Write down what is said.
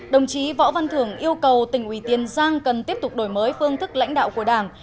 đồng chí võ văn thưởng yêu cầu tỉnh ủy tiền giang cần tiếp tục đổi mới phương thức lãnh đạo của đảng